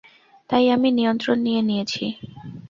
তাই আমি নিয়ন্ত্রণ নিয়ে নিয়েছি।